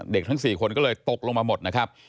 ทั้ง๔คนก็เลยตกลงมาหมดนะครับ